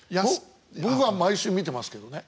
僕は毎週見てますけどね。